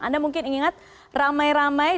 anda mungkin ingat ramai ramai